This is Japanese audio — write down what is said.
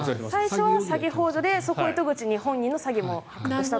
最初は詐欺ほう助でそのあとに本人の詐欺も発覚したと。